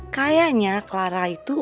kayaknya clara itu